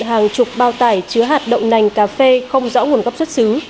hàng chục bao tải chứa hạt động nành cà phê không rõ nguồn gốc xuất xứ